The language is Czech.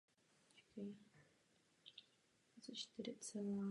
I minulý rok jsme o všech těchto bodech psali.